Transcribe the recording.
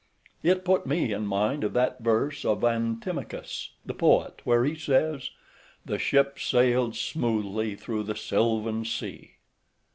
It put me in mind of that verse of Antimachus the poet, where he says "The ship sailed smoothly through the sylvan sea."